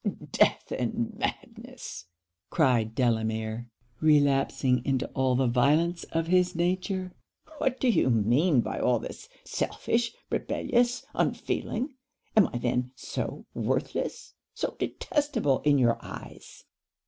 'Death and madness!' cried Delamere, relapsing into all the violence of his nature 'what do you mean by all this! Selfish! rebellious! unfeeling! am I then so worthless, so detestable in your eyes?'